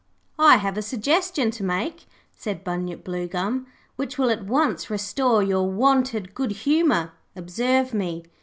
'I have a suggestion to make,' said Bunyip Bluegum, 'which will at once restore your wonted good humour. Observe me.'